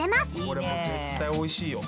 これも絶対おいしいよ。